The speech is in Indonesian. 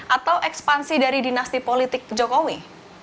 atau ekspansi dari dinasti politik jokowi